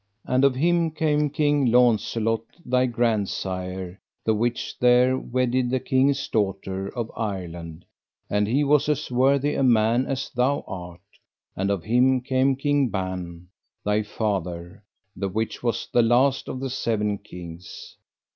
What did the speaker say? And of him came King Launcelot thy grandsire, the which there wedded the king's daughter of Ireland, and he was as worthy a man as thou art, and of him came King Ban, thy father, the which was the last of the seven kings.